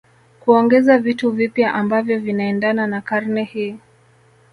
kuongeza vitu vipya ambavyo vinaendana na karne hii